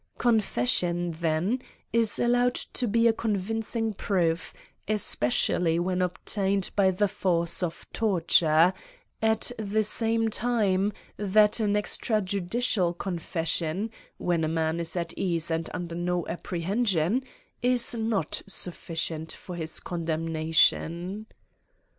Confession, then, is allowed to be a convincing proof, especially when obtained by the force of torture ; at the same time that an extrajudicial confession, when a man is at ease and under no apprehension, is not sufficient for his condemnation.